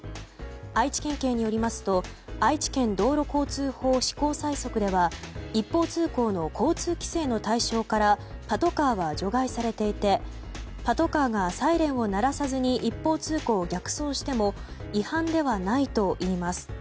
愛知県警によりますと愛知県道路交通法施行細則では一方通行の交通規制の対象からパトカーが除外されていてパトカーがサイレンを鳴らさずに一方通行を逆走しても違反ではないといいます。